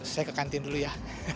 saya ke kantin dulu ya